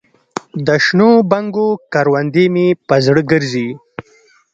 دشنو بنګو کروندې مې په زړه ګرځي